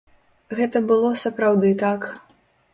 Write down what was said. Гэта было сапраўды так.